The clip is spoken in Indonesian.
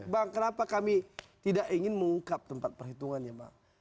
bang kenapa kami tidak ingin mengungkap tempat perhitungannya bang